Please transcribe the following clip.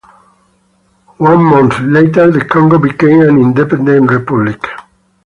One month later, the Congo became an independent republic.